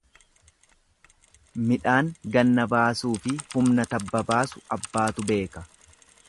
Midhaan ganna baasuufi humna tabba baasu abbaatu beeka.